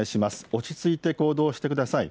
落ち着いて行動してください。